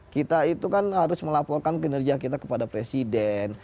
kita itu kan harus melaporkan kinerja kita kepada presiden